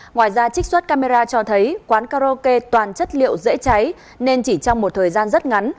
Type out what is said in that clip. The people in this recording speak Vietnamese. ngoài ra trích xuất camera cho thấy quán karaoke toàn chất liệu dễ cháy nên chỉ trong một thời gian rất ngắn